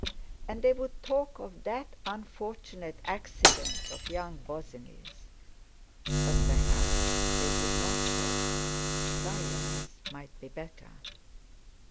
And they would talk of "that unfortunate accident of young Bosinney's," but perhaps they would not talk—silence might be better!